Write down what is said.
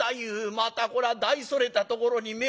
またこら大それたところに目をつけた。